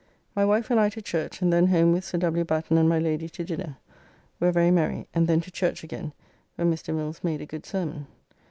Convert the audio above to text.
My wife and I to church, and then home with Sir W. Batten and my Lady to dinner, where very merry, and then to church again, where Mr. Mills made a good sermon.